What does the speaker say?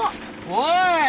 おい！